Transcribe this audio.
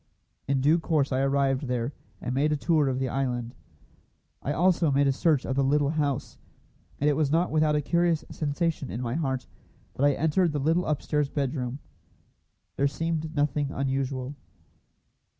In due course I arrived there, and made a tour of the island. I also made a search of the little house, and it was not without a curious sensation in my heart that I entered the little upstairs bedroom. There seemed nothing unusual.